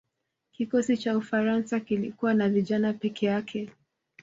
kikosi cha ufaransa kilikuwa na vijana peke yake